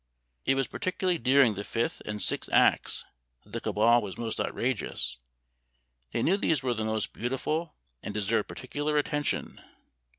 It was particularly during the fifth and sixth acts that the cabal was most outrageous; they knew these were the most beautiful, and deserved particular attention.